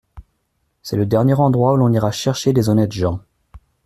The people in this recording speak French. C'est le dernier endroit où l'on ira chercher des honnêtes gens.